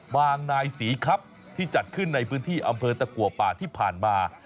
นายศรีครับที่จัดขึ้นในพื้นที่อำเภอตะกัวป่าที่ผ่านมา